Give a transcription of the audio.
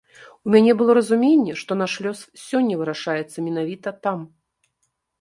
У мяне было разуменне, што наш лёс сёння вырашаецца менавіта там.